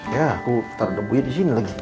ya aku taruh debunya di sini lagi